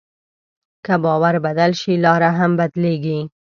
که باور بدل شي، لاره هم بدلېږي.